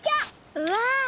うわ！